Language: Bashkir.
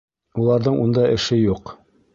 Уларҙың унда эше юҡ.